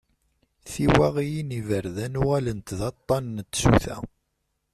Tiwaɣiyin n yiberdan uɣalent d aṭṭan n tsuta.